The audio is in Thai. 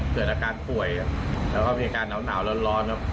เกิดอาการป่วยแล้วก็มีอาการหนาวร้อนครับ